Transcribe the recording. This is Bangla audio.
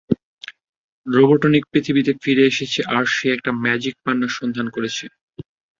রোবটনিক পৃথিবীতে ফিরে এসেছে আর সে একটা ম্যাজিক পান্নার সন্ধান করছে।